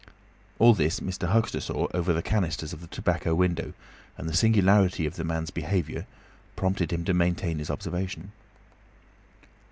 All this Mr. Huxter saw over the canisters of the tobacco window, and the singularity of the man's behaviour prompted him to maintain his observation.